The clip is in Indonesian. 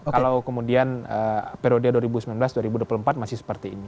kalau kemudian periode dua ribu sembilan belas dua ribu dua puluh empat masih seperti ini